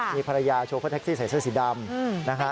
มีภรรยาโชเฟอร์แท็กซี่ใส่เสื้อสีดำนะฮะ